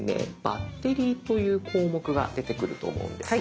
「バッテリー」という項目が出てくると思うんです。